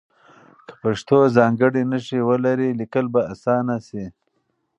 که پښتو ځانګړې نښې ولري لیکل به اسانه شي.